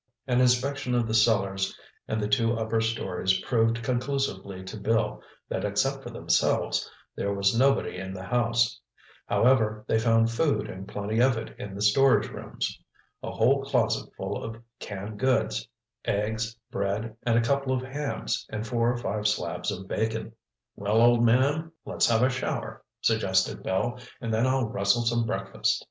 An inspection of the cellars and the two upper stories proved conclusively to Bill that except for themselves, there was nobody in the house. However, they found food and plenty of it in the storage rooms. A whole closet full of canned goods, eggs, bread and a couple of hams and four or five slabs of bacon. "Well, old man, let's have a shower," suggested Bill, "and then I'll rustle some breakfast."